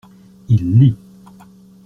Il lit.